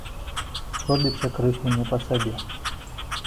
Робіцца крыху не па сабе.